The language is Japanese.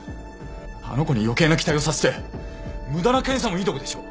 あの子に余計な期待をさせて無駄な検査もいいとこでしょ。